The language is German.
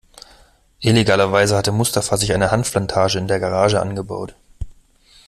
Illegalerweise hatte Mustafa sich eine Hanfplantage in der Garage angebaut.